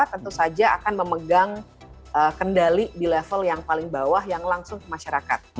tentu saja akan memegang kendali di level yang paling bawah yang langsung ke masyarakat